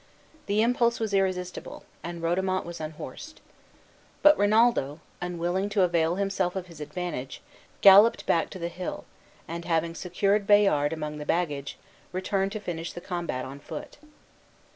The impulse was irresistible, and Rodomont was unhorsed. But Rinaldo, unwilling to avail himself of his advantage, galloped back to the hill, and having secured Bayard among the baggage, returned to finish the combat on foot.